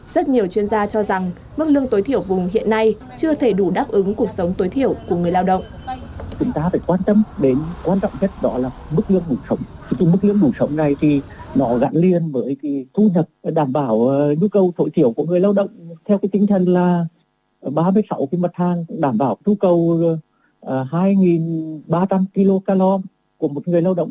rất nhiều chuyên gia cho rằng mức lương tối thiểu vùng hiện nay chưa thể đủ đáp ứng cuộc sống tối thiểu của người lao động